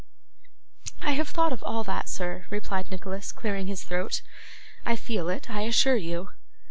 'I have thought of all that, sir,' replied Nicholas, clearing his throat. 'I feel it, I assure you.